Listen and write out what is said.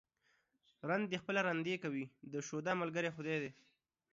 رند دي خپله رندي کوي ، د شوده ملگرى خداى دى.